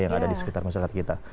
yang ada di sekitar masyarakat kita